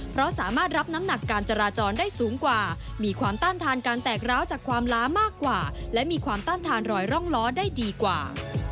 เพราะสามารถรับน้ำหนักการจราจรได้สูงกว่ามีความต้านทานการแตกร้าวจากความล้ามากกว่าและมีความต้านทานรอยร่องล้อได้ดีกว่า